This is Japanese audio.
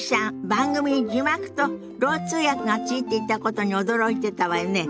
番組に字幕とろう通訳がついていたことに驚いてたわよね。